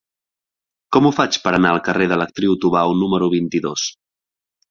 Com ho faig per anar al carrer de l'Actriu Tubau número vint-i-dos?